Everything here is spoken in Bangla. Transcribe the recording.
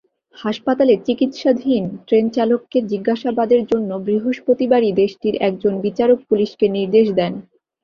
হাসপাতালে চিকিৎসাধীন ট্রেনচালককে জিজ্ঞাসাবাদের জন্য বৃহস্পতিবারই দেশটির একজন বিচারক পুলিশকে নির্দেশ দেন।